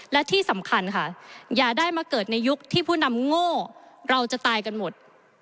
และที่สำคัญค่ะอย่าได้มาเกิดในยุคที่ผู้นำโง่เราจะตายกันหมด